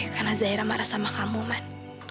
karena zaira marah sama kamu man